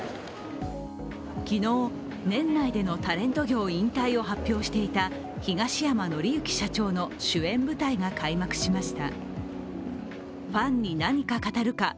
昨日、年内でのタレント業引退を発表していた東山紀之社長の主演舞台が開幕しました。